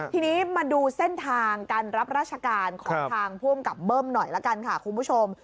ทีนี้มาดูเส้นทางการรับราชการของทางภูมิกับเบิ้มหน่อยละกันค่ะคุณผู้ชม